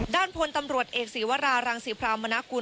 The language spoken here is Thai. ด้านพลตำรวจเอกศีวรารังศรีพรามนากุล